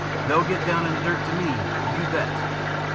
They'll get down in the dirt to me, you bet."